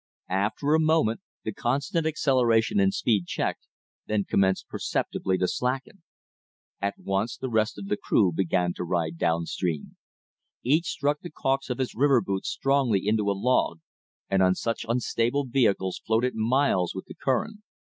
After a moment the constant acceleration in speed checked, then commenced perceptibly to slacken. At once the rest of the crew began to ride down stream. Each struck the caulks of his river boots strongly into a log, and on such unstable vehicles floated miles with the current.